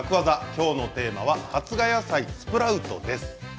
きょうのテーマは発芽野菜スプラウトです。